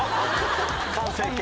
完成形？